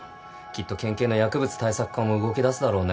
きっと県警の薬物対策課も動きだすだろうね。